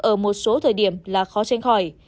ở một số thời điểm là khó tranh khỏi